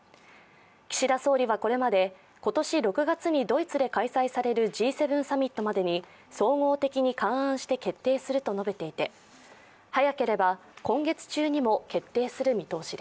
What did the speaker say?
岸田総理はこれまで今年６月にドイツで開催されるＧ７サミットまでに総合的に勘案して決定すると述べていて天気予報です。